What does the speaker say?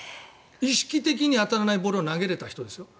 意識的に当たらないボールを投げられた人ですよ。